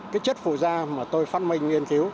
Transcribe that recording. chất phụ da mà tôi phát minh nghiên cứu